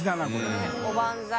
ねぇおばんざい。